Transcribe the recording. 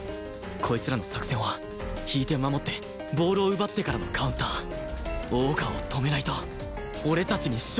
こいつらの作戦は引いて守ってボールを奪ってからのカウンター大川を止めないと俺たちに勝算はない！